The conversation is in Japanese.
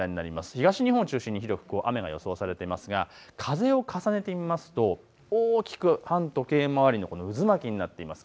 東日本を中心に広く雨が予想されていますが風を重ねてみますと大きく反時計回りの渦巻きになっています。